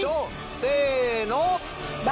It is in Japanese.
せの！